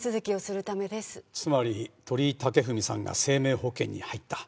つまり鳥居武文さんが生命保険に入った。